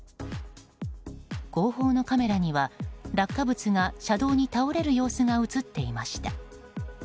後方のカメラには、落下物が車道に倒れる様子が映っていました。